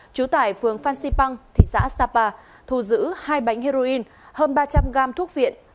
trú tại phường phan xipang thị xã sapa thu giữ hai bánh heroin hơn ba trăm linh gam thuốc viện